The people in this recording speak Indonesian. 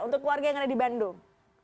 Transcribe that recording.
untuk warga yang ada di bandung